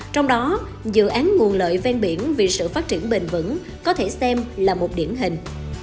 trong đó dự án nguồn lợi ven biển vì sự phát triển bền vững có thể xem là một điển hình